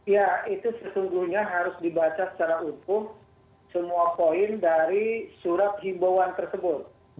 ya itu sesungguhnya harus dibaca secara utuh semua poin dari surat himbauan tersebut